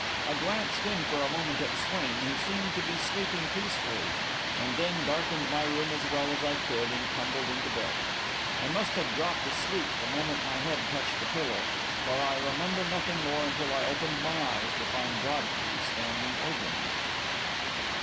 I glanced in for a moment at Swain, who seemed to be sleeping peacefully; and then darkened my room as well as I could and tumbled into bed. I must have dropped asleep the moment my head touched the pillow, for I remember nothing more until I opened my eyes to find Godfrey standing over me.